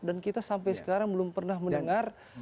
dan kita sampai sekarang belum pernah mendengar